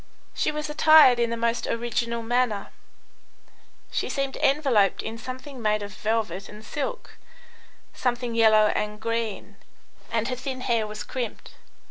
She was attired in the most original manner; she seemed enveloped in something made of velvet and silk, something yellow and green, and her thin hair was crimped.